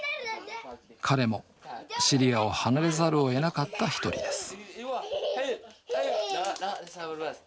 彼もシリアを離れざるをえなかった一人です